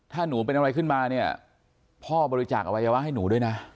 ถ้าหนูเป็นอะไรขึ้นมาเนี่ยพ่อบริจาคอวัยวะให้หนูด้วยนะ